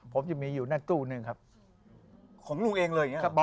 ผมจะมีอยู่ในตู้นึงครับ